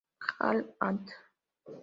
Hal., "Ant.